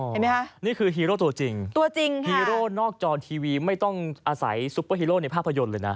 เห็นไหมคะนี่คือฮีโร่ตัวจริงตัวจริงฮีโร่นอกจอทีวีไม่ต้องอาศัยซุปเปอร์ฮีโร่ในภาพยนตร์เลยนะ